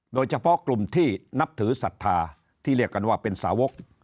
โดยเฉพาะกลุ่มที่นับถือศรัทธาที่เรียกกันว่าเป็นสาวก